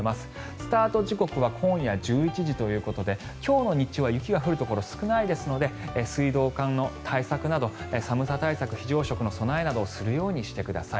スタート時刻は今夜１１時ということで今日の日中は雪が降るところ少ないですので水道管の対策など寒さ対策、非常食の備えなどをしておくようにしてください。